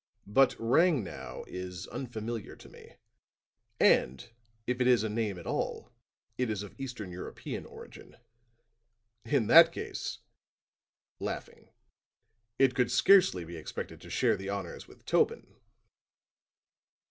"But Rangnow is unfamiliar to me; and if it is a name at all, it is of Eastern European origin. In that case," laughing, "it could scarcely be expected to share the honors with Tobin."